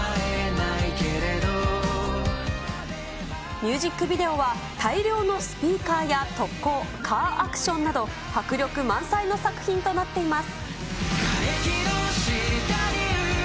ミュージックビデオは大量のスピーカーや特攻、カーアクションなど、迫力満載の作品となっています。